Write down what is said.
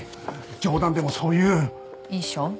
冗談でもそういう遺書？